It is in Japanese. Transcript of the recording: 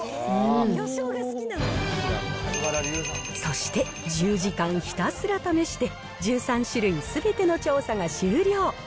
そして、１０時間ひたすら試して、１３種類すべての調査が終了。